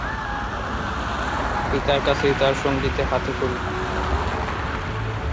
পিতার কাছেই তার সঙ্গীতে হাতেখড়ি।